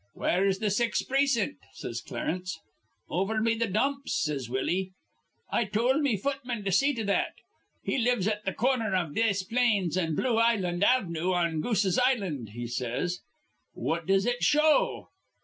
'Where's the sixth precin't?' says Clarence. 'Over be th' dumps,' says Willie. 'I told me futman to see to that. He lives at th' corner iv Desplaines an Bloo Island Av'noo on Goose's Island,' he says. 'What does it show?'